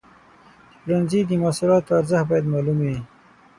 د پلورنځي د محصولاتو ارزښت باید معلوم وي.